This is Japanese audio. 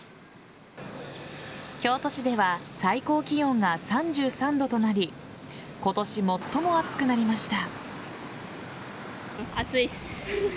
京都市では最高気温が３３度となり今年、最も暑くなりました。